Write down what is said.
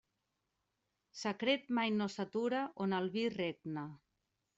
Secret mai no s'atura on el vi regna.